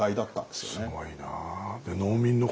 すごいなあ。